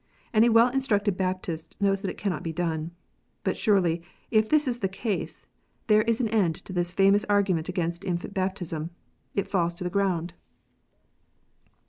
Any well instructed Baptist knows that it cannot be done. But surely, if this is the case, there is an end of this famous argument against infant baptism ! It falls to the ground.